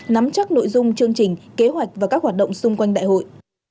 nắm chắc nội dung chương trình kế hoạch và các hoạt động xung quanh đại hội